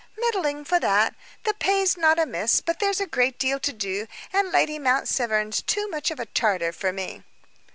"Middling, for that. The pay's not amiss, but there's a great deal to do, and Lady Mount Severn's too much of a Tartar for me."